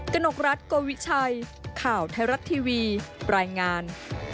กนกรัฐโกวิชัยข่าวไทยรัฐทีวีรายงาน